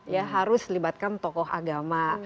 ya harus libatkan tokoh agama